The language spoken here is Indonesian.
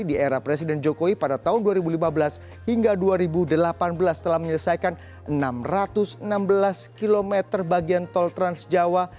di era presiden jokowi pada tahun dua ribu lima belas hingga dua ribu delapan belas telah menyelesaikan enam ratus enam belas km bagian tol trans jawa